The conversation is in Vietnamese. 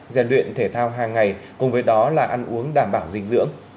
giàn luyện thể thao hàng ngày cùng với đó là ăn uống đảm bảo dinh dưỡng